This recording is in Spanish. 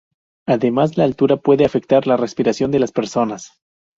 Además la altura puede afectar la respiración de las personas.